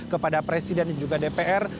kepada presiden dan juga dpr